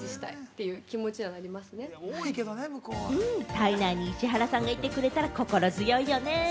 体内に石原さんがいてくれたら心強いよね。